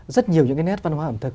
rất nhiều những nét văn hóa ẩm thực